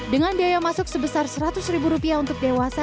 dengan biaya masuk sebesar seratus ribu rupiah untuk dewasa